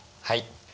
はい。